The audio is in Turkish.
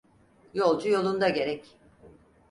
Yolcu yolunda gerek.